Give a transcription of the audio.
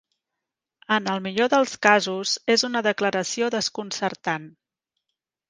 En el millor dels casos és una declaració desconcertant.